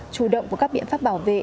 chủ động của các biện pháp bảo vệ